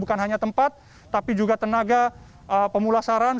bukan hanya tempat tapi juga tenaga pemulasaran